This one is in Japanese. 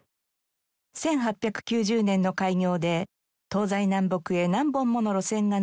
１８９０年の開業で東西南北へ何本もの路線が延びています。